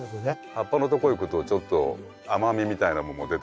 葉っぱのとこいくとちょっと甘みみたいなもんも出てくるし。